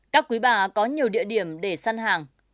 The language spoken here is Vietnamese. các quý bà có nhiều địa điểm để săn hàng